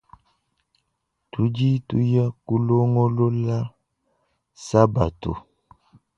Tudi tuya kulongolola sabatu.